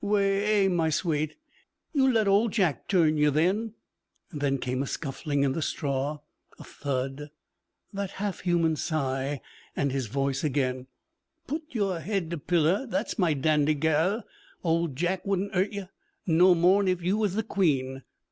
Wa ay, my swate yu let old Jack turn yu, then!' Then came a scuffling in the straw, a thud, that half human sigh, and his voice again: 'Putt your 'ead to piller, that's my dandy gel. Old Jack wouldn' 'urt yu; no more'n if yu was the Queen!'